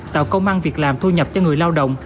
tạo công an việc làm thu nhập cho người lao động